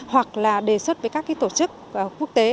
hoặc là đề xuất với các tổ chức quốc tế